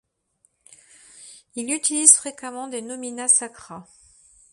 Il utilise fréquemment des Nomina sacra.